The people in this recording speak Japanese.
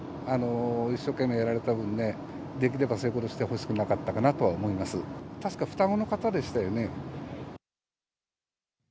一生懸命やられた分ね、できれば、そういうことをしてほしくなかったかなとは思います。